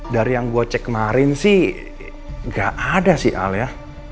dari yang gue cek kemarin sih gak ada sih al ya